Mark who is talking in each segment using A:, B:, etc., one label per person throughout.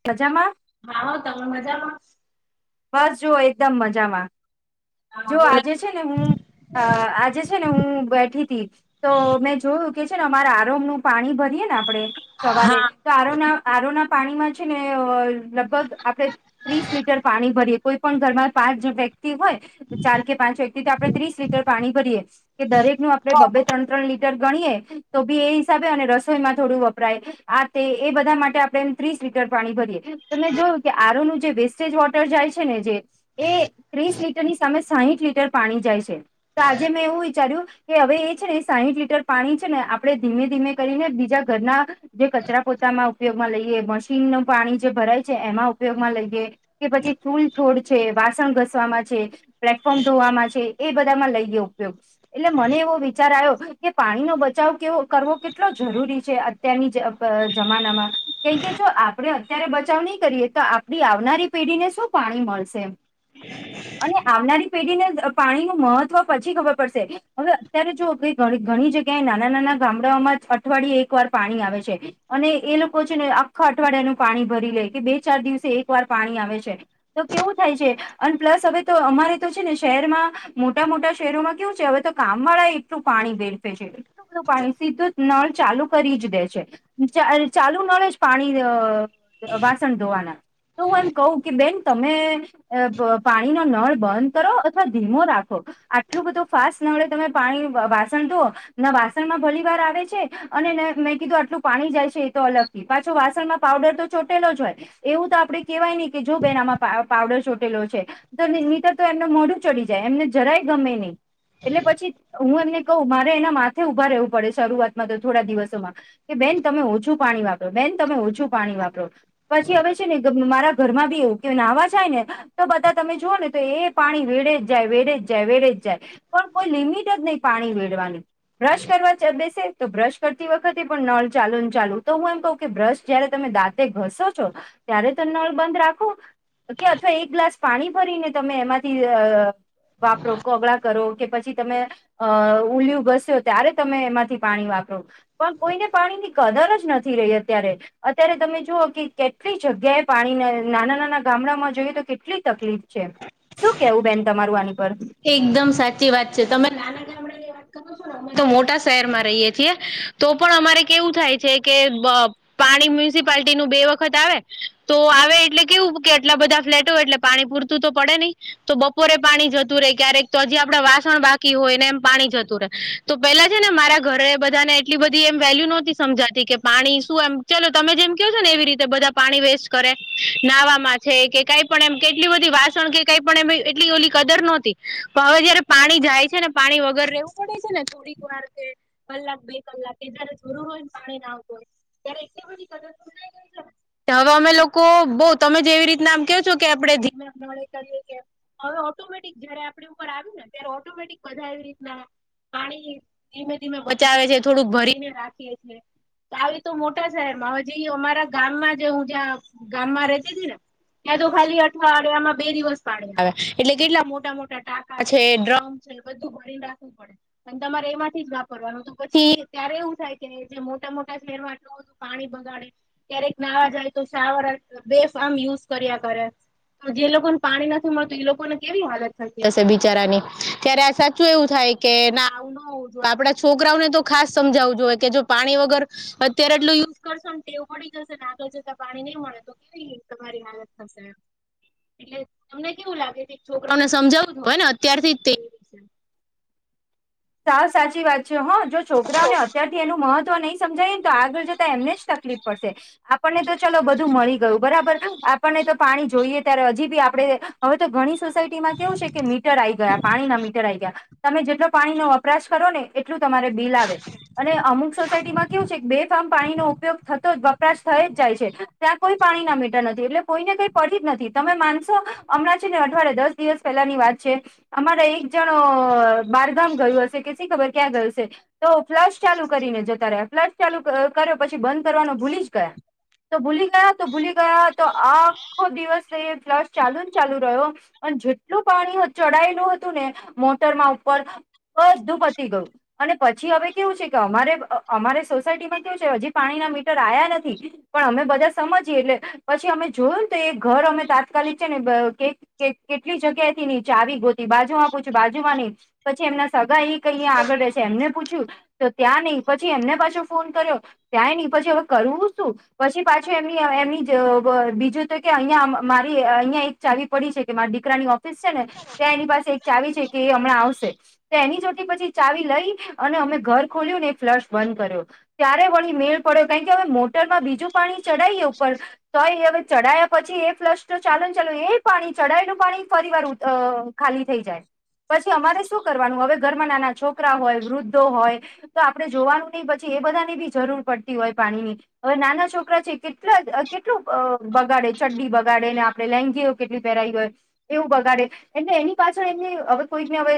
A: [unintelligible]
B: [unintelligible] તમે મજામાં...
A: બસ જુઓ એકદમ મજામાં જો આજે છે. ને હું અ આજે છે, ને હું બેઠીતી તો મેં જોયું કે છે, ને અમારે આરોમનું પાણી ભરીયએ ને આપણેે
B: હા
A: સવારે તો આરોના આરોના પાણીમાં છે, ને લગભગ આપડે ત્રીસ લીટર પાણી ભરીએ કોઈ પણ ઘરમાં પાચ વય તી હોય ચાર કે પાંચ વ્યક્તિ તો આપણે ત્રીસ લીટર પાણી ભરીએ કે દરેક નું આપડે બ બે ત્રણ ત્રણ લીટર ગણીએ તો ભી એ હિસાબે અને રસોઈમાં થોડું વપરાય આ તે એ બધા માટે આપણે એમ ત્રીસ લીટર પાણી ભરીયએ તમે જોયું કે આરોનું જે વેસ્ટેજ વો ટર જાય છે, ને જે એ ત્રીસ લીટરની સામે સાહીઠ લીટર પાણી જાય છે. તો આજે મેં એવું વિચાર્યું કે હવે એ છે, ને સાંઇઠ લીટર પાણી છે, ને આપડે ધીમે ધીમે કરીને બીજા ઘરના જે કચરા પોતામાં ઉપયોગમાં લઈએ મશીનનું પાણી જે ભરાય છે, એમાં ઉપયોગમાં લઈએ કે પછી ફૂલ છોડ છે, વાસણ ઘસવામાં છે. પ્લેટફોર્મ ધોવામાં છે, એ બધામાં લઈ ગયો ઉપયોગ એટલે મને એવો વિચાર આયો કે પાણીનો બચાવ કેવો કરવો કેટલો જરૂરી છે. અત્યારની જ અ જમાનામાં કેમ કે જો આપણે અત્યારે બચાવ નહીં કરીએ તો આપણી આવનારી પીઢીને શું પાણી મળશે એમ અને આવનારી પેઢીને પાણીનું મહત્વ પછી ખબર પડશે હવે અત્યારે જો ધ ઘણી જગ્યાએ નાના નાના ગામડાઓમાં જ અઠવાડિયે એક વાર પાણી આવે છે. અને એ લોકો છે, ને આખા અઠવાડિયાનું પાણી ભરી લે કે બે ચાર દિવસે એક વાર પાણી આવે છે. તો કેવું થાય છે, અને પ્લસ હવે તો અમારે તો છે, ને શહેરમાં મોટા મોટા શહેરોમાં કેવું છે, હવે તો કામ વાળા એટલું પાણી વેડફે છે. કેટલું બધું પાણી સીધું નળ ચાલુ કરી જ દે છે, ચા ચાલુ નળે જ પાણી અ વાસણ ધોવાના તો હું એમ કહું કે બેન તમે અ પાણીનો નળ બંધ કરો અથવા ધીમો રાખો આટલું બધું ફાસ્ટ નળે તમે પાણી વાસણ ધોવો ના વાસણમાં ભલી વાર આવે છે. અને મેં કીધું આટલું પાણી જાય છે, એ તો અલગથી પાછો વાસણમાં પાવડર તો ચોટેલો જ હોય એવું તો આપડે કેહેવાય ની કે જો બેન આમાં પા પાવડર ચોટેલો છે. તો નીતર તો એમનું મોઢું ચડી જાય એમને જરાય ગમે નહી એટલે પછી હું એમને કહું મારે એના માથે ઊભા રહેવું પડે શરૂઆતમાં તો થોડા દિવસોમાં કે બેન તમે ઓછું પાણી વાપરો બેન તમે ઓછું પાણી વાપરો પછી હવે છે, ને મારા ઘરમાં બી એવું કે નાહવા જાય ને તો બધા તમે જુઓ ને તો એ પાણી વેડે જ જાય વેડે જાય વેડે જ જાય પણ કોઈ લિમિટ જ નહી પાણી રેડવાની બ્રશ કરવા બેસે તો બ્રશ કરતી વખતે પણ નળ ચાલુ ને ચાલુ તો હું એમ કહ કે બ્રશ જયારે તમે દાંતે ઘસો છો ત્યારે તો નળ બંધ રાખો કે અથવા એક ગ્લાસ પાણી ભરીને તમે એમાંથી અ વાપરો કોગળા કરો કે પછી તમે અ ઉલિયું ઘસ્યો ત્યારે તમે એમાંથી પાણી વાપરો પણ કોઈને પાણીની કદર જ નથી રહી અત્યારે અત્યારે તમે જુઓ કે કેટલી જગ્યાએ પાણીને નાના નાના ગામડામાં જોઈએ તો કેટલી તકલીફ છે. શું કેવું બેન તમારું આની પર?
B: એકદમ સાચી વાત છે, તમે નાના ગામડાંની વાત તો મોટા શહેરમાં રહીયએ છીએ તો પણ અમારે કેવું થાય છે, કે બ પાણી મ્યુનિસિપાલટીનું બે વખત આવે તો આવે એટલે કેવું કે આટલા બધા ફ્લેટો એટલે પાણી પૂરતું તો પડે નહી તો બપોરે પાણી જ તુ રેય ક્યારેક તો હજી આપડે વાસણ બાકી હોયને એમ પાણી જતું રહેે તો પેલા છે, ને મારા ઘરે બધાને એટલી બધી એમ વેલ્યુ નોતી સમજાતી કે પાણી શું એમ ચલો તમે જેમ કહ છો ને એવી રીતે બધા પાણી વેસ કરે નાવામાં છે, કે કાઈ પણ એમ કેટલી બધી વાસણ કે કઈ પણ એમ એટલી ઓલી કદર નો તો હવે જયારે પાણી જાય છે ને પાણી વગર રહેેવું પડે છે ને થોડીક વાર. કલાક બે કલાક એ જ્યારે થોરું હોય ને પાણી ના આવતું હોય ત્યારે બધી કદર. હવે અમે લોકો બઉ તમે જે એવી રીતના આમ કેહો છો કે આપડે. હવે ઓટોમેટિક જયારે આપડે ઉપર આવ ને ત્યારે ઓટોમેટિક બધા એવી રીતના. પાણી ધીમે ધીમે બચાવે છે થોડુંક ભરીને રાખીએ છે. આવી તો મોટા શહેરમા હોવી અમારા ગામમાં જે હું ત્યાં ગામમાં રેતી હતી ને. ત્યાં તો ખાલી અઠવાડિયામાં બે દિવસ પાણી આવે એટલે કેટલા મો. મોટા મોટા ટાકા છે ડ્રમ છે બધું ભરી ને રાખવું પડે. અને તમારે એમાંથી જ વાપરવાનું તો પછી ત્યારે એવું થાય કે જે મોટા મોટા શહેરમાં આટલુ બંધુ. પાણી બગાડે ક્યારેક નાવા જાય તો શાવર બેફારમ યુઝ કર્યા કરે. જે લોકોને પાણી નથી મળતું એ લોકો ને કેવી હાલત. થ હશે બિચારાની ત્યારે સાચું એવું થાય કે ના જો આપડા છોકરાઓને તો ખાસ સમજાવું જોઈએ કે જો પાણી વગર અત્યારે એટલું યુઝ કરશો ને ટેવ પડી જશેને આગળ જતા પાણી નહી મળે તમારી હાલત થશે એટલે તમને કેવું લાગે કે છોકરાને સમજાવું હોય ને અત્યારથી તે
A: સાવ સાચી વાત છે હ જો છોકરાઓને અત્યાર એનું મહત્વ નહીં સમજાય ને તો આગળ જતા એમને જ તકલીફ પડશે આપણને તો ચાલો બ મળી ગયું બરાબર આપણને તો પાણી જોઈએ ત્યારે હજી બી આપણે હવે તો ગણી સોસાયટીમાં કેવું છે કે મીટર આ ગયા પાણીના મીટર આઈ ગયા તમે જેટલો પાણી નો વપરાશ કરો ને એટલું તમારે બિલ આવે અને અમુક સોસાયટીમાં કેવું છે બે ફાર્મ પાણીનોો ઉપયોગ થતો જ વપરાશ થઈ જાય છે ત્યાં કોઈ પાણી ના મીટર નથી એટલે કોઈ ને કઈ પડી જ નથી તમે માનસો હમણાં છે ને અઠવાડે દસ દિવસ પહેલા ની વાત છે અમારા એક જણ
B: હ
A: બારગામ ગયું હશે કે શી ખબર ક્યાં ગયું છે તો ફ્લશ ચાલુ કરીને જતા રહ્યા ફ્લશ ચાલુ કર્યો પછી બંધ કરવાનો ભૂલી જ ગયા. તો ભૂલી ગયા તો ભૂલી ગયા તો આખો દિવસ એ ક્લાસ ચાલુ ચાલુ રહ્યો. પણ જેટલું પાણી ચડાયેલું હતું ને મોટરમાં ઉપર બ બધું પતી ગયું. અને પછી હવે કેવું છે કે અમારે અમારે સોસાયટીમાં કેવું છે હજી પાણીના મીટર આયા નથી. પણ અમે બધા સમજીએ એટલે પછી અમે જોયું ને તો એ ઘર અમે તાત્કાલિક છે ને કે કે કેટલી જગ્યા થી નીચા આવી ગોતી બાજુ માં પૂછું બાજુમાં નહ પછી એમના સગા એ કયા આગળ રહે છે એમને પૂછ્યું તો ત્યાં નહીિ પછી એમને પાછો ફોન કર્યો. ત્યાં નહીં પછી હવે કરવું શું? પછી પાછું એમની એમની બીજું તો કે અહિયાં મારી અહિયાં એક ચાવી પડી છે કે મારા દીકરાની ઓફિસ છે ને ત્યાં એની પાસે એક ચાવી છે કે એ હમણાં આવશે. તો એની ચોટી પછી ચાવી લઈ અને અમે ઘર ખોલ્યું ને ફ્લશ બંધ કર્યો. ત્યારે વણી મેળ પડ્યો કારણ કે હવે મોટરમાં બીજું પાણી ચડાવએ ઉપર તો એ હવે ચઢાયા પછી એ ફ્લસ્ટર ચાલલે ને ચાલુ એ પાણી ચઢાયેલું પાણી ફરી વાર ખાલી થઈ જાય પછી અમારે શું કરવાનું હવે ઘરમાં નાના છોકરા હોય, વૃદ્ધો હોય. તો આપડણે જોવાનું નહિ પછી એ બધાની બી જરૂર પડતી હોય પાણીની. હવે નાના છોકરા છે કેટલા કેટલું બગાડે ચડડી બગાડે ને આપડે લેંગી કેટલી પેરાઈ ગય એવું બગાડે એટલે એની પાછળ એમની હવે કોઈકને હવે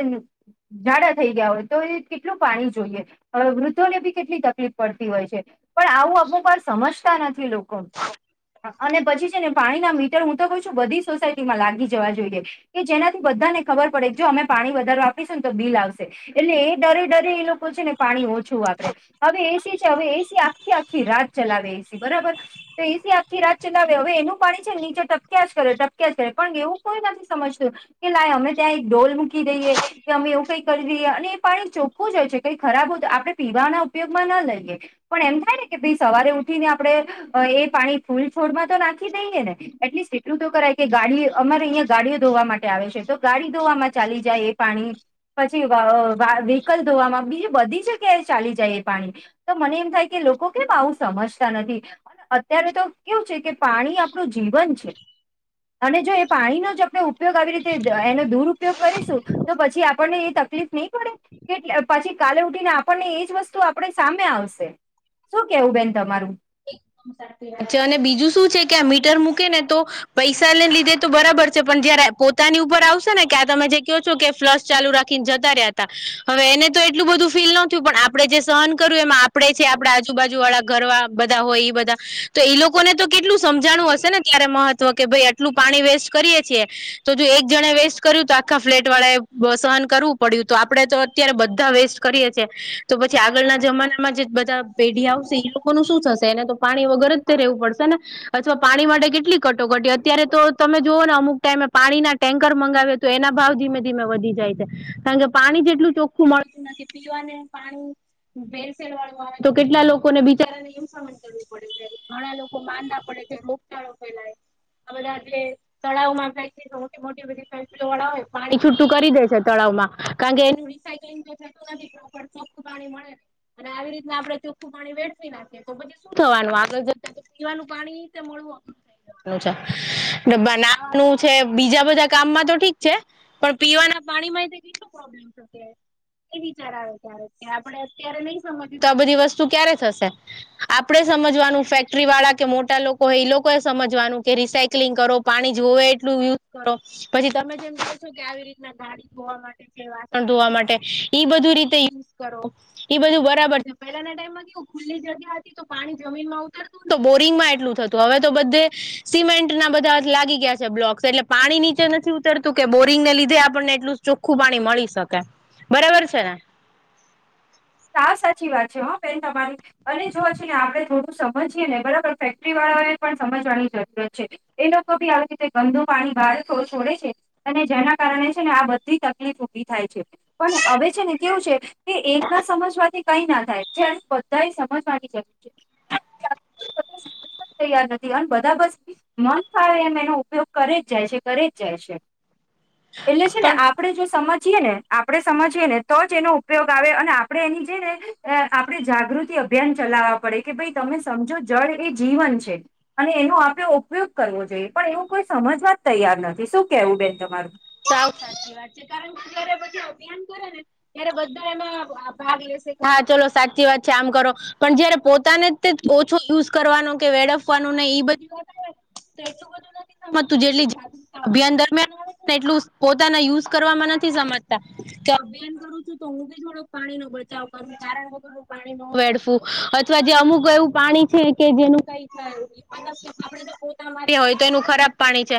A: ઝાડા થઈ ગયા હોય તો એ કેટલું પાણી જોઈએ વૃદ્ધોને બી કેટલી તકલીફ પડતી હોય છે. પણ આવું અમુક વાર સમજતા નથી લોકો. અને પછી છે ને પાણી ના મીટર હું તો ક છું બધી સોસાયટીમાં લાગી જવા જોઈએ. કે જેનાથી બધા ને ખબર પડે જો અમે પાણી વધારવા ને તો બિલ આવશે એટલે એ ડરે ડરે એ લોકો છે ને પાણી ઓછું વાપરે હવે એ હવે એસી આખી આખી રાત ચલાવે એસી બરાબર. તો એસી આખી રાત ચલાવે હવે એનું પાણી છે ને નીચે ટપક્યા જ કરે ટપક્યા જ કરે પણ એવું કોઈ નથી સમજતું કે લાઈ અમે ત્યાં એક ઢોલ મૂકી દઈએ. કે અમે એવું કઈ કરી દઈએ અને એ પાણી ચોખ્ખું જ હોય છે કઈ ખરાબ હોય આપણે પીવાના ઉપયોગમાં ના લઈએ. પણ એમ થાય ને કે ભાઈ સવારે ઉઠીને આપડણે એ પાણી ફૂલ છોડમાં તો નાખી દઈએ ને એટલીસ્ટ એટલું તો કરાય કે ગાડી અમારે અહીયાં ગાડીઓ ધોવા માટે આવે છે તો ગાડી ધોવામાં ચાલી જાય એ પાણી પછી વ વ્હીકલ ધોવામાં બી બધી જગ્યાએ ચાલી જાય એ પાણી તો મને એમ થાય કે લોકો કેમ આવું સમજતા નથી. અને અત્યારે તો કેવું છે કે પાણી આપણું જીવન છે. અને જો એ પાણીનો જ આપણે ઉપયોગ આવી રીતે એનો દુરપયોગ કરીશું તો પછી આપ પણને એ તકલીફ નહીં પડે કે પછી કાલે ઉઠીને આપણને એજ વસ્તુ આપણે સામે આવશે. શું કેવું બેન તમારું.
B: વાત છે અને બીજું શું છે કે આ મીટર મૂકે ને તો પૈસા ને લીધે તો બરાબર છે પણ જયારે પોતાની ઉપર આવશે ને ક્યાં તમે જે કેવ છો કે ફ્લસ ચાલુ રાખીને જતા રહ્યા હતા હવે એને તો એટલું બધું ફીલ ન થયું પણ આપણેે જે સહન કર્યું એમાં આ આપડે છે આપડા આજુબાજુ વાળા ઘર બધા હોય બધા તો એ લોકો ને તો કેટલું સમજાણું હશે ને ત્યારે મહ ત્વ કે ભાઈ આટલું પાણી વેસ્ટ કરીએ છીએ તો જો એક જણે વેસ્ટ કર્યું તો આખા ફ્લેટ વાળા એ સહન કરવું પડ્યું તો આપડે તો અત્યારે બધા વેસ્ટ કરીએ છે. તો પછી આગળના જમાનામાં જે બધા પેઢી આવશે એ લોકોનું શું થશે એને તો પાણી વગર જ તે રહેવું પડશે ને અથવા પાણી માટે કેટલી કટોકટી અત્યારે તો તમે જુઓ ને અમુક ટાઈમે પાણીના ટેન્કર મંગાવે તો એના ભાવ ધીમે ધીમે વધી જાય છે કારણ કે પાણી જેટલું ચોખ્ખું મળતું નથી. પીવાને પાણી ભેરસેડ વાળું તો કેટલા લોકોને બિચારાને એમ સમજ કરવુ પડે છે ઘણા લોકો માંદા પડે છે રોગચાળો ફેલાય છે. આ બધા તે તળાવમાં જાય છે તો મોટી બધી ફેક્ટરીઓ વાળા હોય પાણી છૂટું કરી દે છે તળાવમાં કારણ કે એનું રિસાયક્લિંગ કરતા એનું ચોખ્ખું પાણી મળે. અને આવી રીતના આપણે ચોખું પાણી વેડફી નાખીએ તો પછી શું થવાનું આગળ જતા કે પીવાનું પાણી તે મળવું અ [inaudible] બનાવાનું છે બીજા બધા કામમાં તો ઠીક છે પણ પીવાના પાણીમાં કેટલુ પ્રોબ્લેમ એ વિચાર આવે ત્યાં આપણે અત્યારે નઈ સમજીએ તો આ બધી વસ્તુ ક્યારે થશે. આપણેે સમજવાનું ફેક્ટરી વાળા કે મોટા લોકો હોય એ લોકો એ સમજવાનું કે રિસાયક્લિંગ કરો પાણી જોવે એટલું યુઝ કરો પછી તમે જેમ કહો છો કે આવી રીતના ગાડી ધોવા માટે વાસણ ધોવા માટે ઈ બધું રીતે યુઝ કરો એ બધું બરાબર છે પેલાના ટાઈમમાં ખુલ્લી જગ્યા હતી તો પાણી જમીનમાં ઉતરતું ને તો બોરિંગમાં એટલું થતું હવે તો બધે સિમેન્ટ ના બધા લાગી ગયા છે બ્લોક્સ એટલે પાણી નીચે નથી ઉતરતું કે બોરિંગને લીધે આપણને એટલું ચોખ્ખું પાણી મળી શકે બરાબર છે ને.
A: સાવ સાચી વાત છે હ બેન તમારી અને જો છે ને આપડણે થોડું સમજીએને બરાબર ફેક્ટરી વાળા એ પણ સમજવાની જરૂરત છે. એ લોકો બી આવી રીતે ગંદુ પાણી બહાર છો છોડે છે. અને જેના કારણે છે ને આ બધી તકલીફ ઉભી થાય છે પણ હવે છે ને કેવું છે કે એક ના સમજવાથી કઈ ના થાય જે બધાએ સમજવાની જરૂર છે [unintelligible] તૈયાર નથી અને બધા બસ મન ફાળે એમ એનો ઉપયોગ કરે જ જાય છે કરે જ જાય છે. એટલે છે ને
B: પણ
A: આપડે જો સમજીએ ને આપડે સમજીએ ને તો જ એનો ઉપયોગ આવે અને આ આપણે એની જે ને આપણે જાગૃતિ અભિયાન ચલાવવા પડે કે ભાઈ તમે સમજો જળ એ જીવન છે. અને એનો આપડે ઉપયોગ કરવો જોઈએ પણ એવું કોઈ સમજવા જ તૈયાર નથી શું કેવું બેન તમારું.
B: સાવ સાચી વાત છે કારણ કે જ્યારે બધા અભિયાન કરે ત્યારે બધા એમાં ભાગ લેશે કે હા ચલો સાચી વાત છે આમ કરો પણ જયારે પોતાને તે ઓછો યુઝ કરવાનો કે વેડફવાનું ને એ બધું તો એટલું બધું નથી સમજતું જેટલી અભિયાન દરમિયાન આ એટલું પોતાના યુઝ કરવાવામાં નથી સમજતા કે અભિયાન કરું છું તો હું બી થોડક પાણીનો બચાવ કર કારણો વગર પાણી ન વેડફું અથવા જે અમુક એવું પાણી છે કે જેનું કઈ પોતાના માટે હોય તો એનું ખરાબ પાણી છે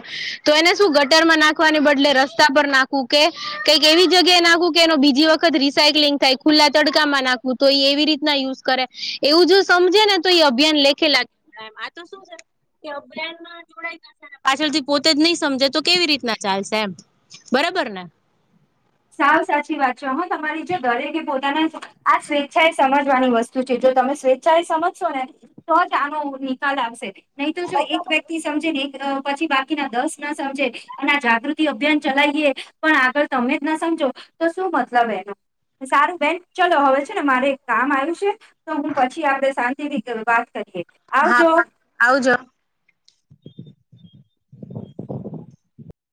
B: તો એને શું ગટરમાં નાખ નાખવાને બદલે રસ્તા પર નાખું કે કઈક એવી જગ્યાએ નાખું કે એનો બીજી વખત રિસાયકલિંગ થાય. ખુલ્લા તડકામાં નાખવું તો એ એવી રીતના યુઝ કરે એવું જો સમજે ને તો એ અભિયાન લેખે લાગે આતો શું છે અભયાનમાં જોડાય ગયા છે ને પાછળથી પોતે જ નહી સમજે તો કેવી રીતના ચાલશે એમ બરાબર ને.
A: સાવ સાચી વાત છે હ તમારી જો ઘરે કે પોતાના આ સ્વેચ્છાએ સમજવાની વસ્તુ છે જો તમે સ્વેચ્છાએ સમજશો ને તો જ આનો નિકાલ આવશે નહી તો જો એક વ્યક્તિ સમજે ને એક પછી બા દસ ના સમજે અને આ જાગૃતિ અભિયાન ચલાવીએ પણ આગળ તમે ના સમજો તો શું મતલબ એનો સારું બેન ચલો હવે છે ને મારે એક કામ આવ્યું છે તો હું પછી આપણે શાંતિથી વાત કરીએ
B: હા
A: આવજો
B: પા આવજો